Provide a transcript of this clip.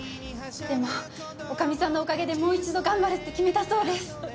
でも女将さんのおかげでもう一度頑張るって決めたそうです。